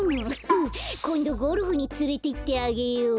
フッこんどゴルフにつれていってあげよう。